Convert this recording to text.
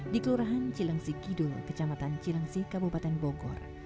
di kelurahan cilangsi kidul kecamatan cilangsi kabupaten bogor